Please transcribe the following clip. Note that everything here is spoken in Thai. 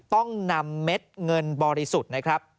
ต้องนำเม็ดเงินบริสุทธิ์นะครับ